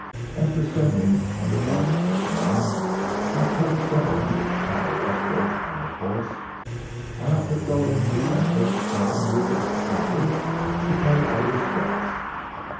After sending, under five or six men, our cut of several hundred cattle westward on our course, our outfit rode into rancho Santa Maria proper to pay our respects.